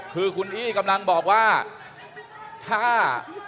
คือคุณอี้กำลังบอกว่าถ้า